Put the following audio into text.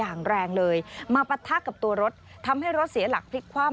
อย่างแรงเลยมาปะทะกับตัวรถทำให้รถเสียหลักพลิกคว่ำ